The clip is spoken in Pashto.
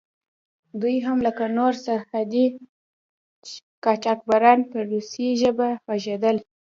دوی هم لکه نور سرحدي قاچاقبران په روسي ژبه غږېدل.